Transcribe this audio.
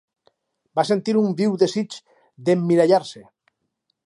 Va sentir un viu desitj d'emmirallar-se.